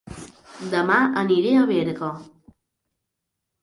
Dema aniré a Berga